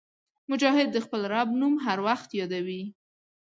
مجاهد د خپل رب نوم هر وخت یادوي.